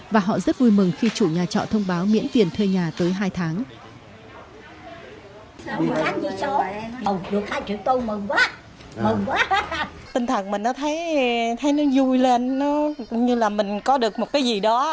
và họ rất vui mừng khi chủ nhà trọ thông báo miễn tiền thuê nhà tới hai tháng